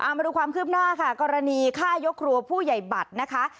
มาดูความคืบหน้าค่ะกรณีฆ่ายกครัวผู้ใหญ่บัตรนะคะ